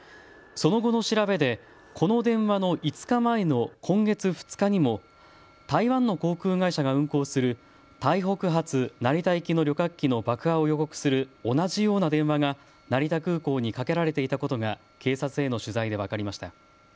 その後の調べで、この電話の５日前の今月２日にも台湾の航空会社が運航する台北発成田行きの旅客機の爆破を予告する同じような電話が成田空港にかけられていたことが警察への取材で分かりました。